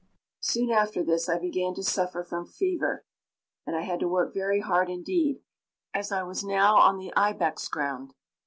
Soon after this I began to suffer from fever, and I had to work very hard indeed, as I was now on the ibex ground.